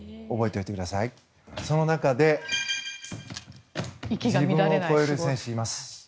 その中で自分を超える選手がいます。